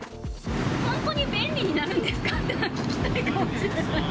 本当に便利になるんですかっていうのは聞きたいです。